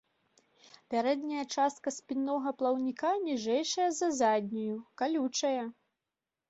Пярэдняя частка спіннога плаўніка ніжэйшая за заднюю, калючая.